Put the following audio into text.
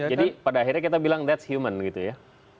jadi pada akhirnya kita bilang that's human gitu ya